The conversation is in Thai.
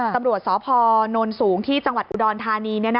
ตำรวจสพนสูงที่จังหวัดอุดรธานี